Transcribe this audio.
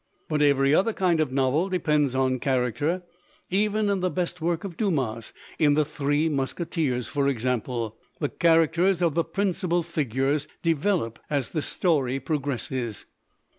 "But every other kind of novel depends on character. Even in the best work of Dumas, in The Three Musketeers, for example, the char acters of the principal figures develop as the story progresses.